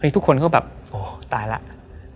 ทุกคนก็แบบโอ้ตายแล้ว